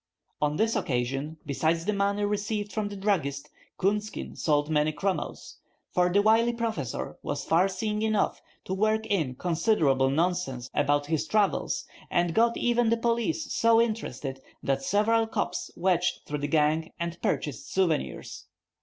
On this occasion, besides the money received from the druggist, Coonskin sold many chromos, for the wily Professor was far seeing enough to work in considerable nonsense about his travels, and got even the police so interested that several cops wedged through the gang and purchased souvenirs.